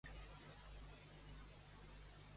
Qui va conquistar l'illa?